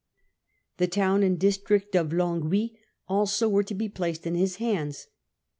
The town and district of Longwy also were to be placed in his hands.